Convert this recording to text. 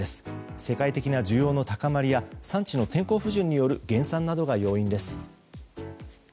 世界的な需要の高まりや産地の天候不順などによる減産などが要因です。